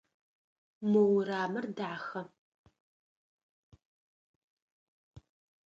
Мо урамыр дахэ.